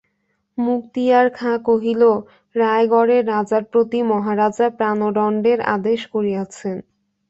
মুক্তিয়ার খাঁ কহিল, রায়গড়ের রাজার প্রতি মহারাজা প্রাণদণ্ডের আদেশ করিয়াছেন।